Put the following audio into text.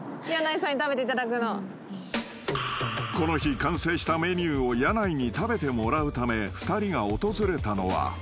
［この日完成したメニューを箭内に食べてもらうため２人が訪れたのは］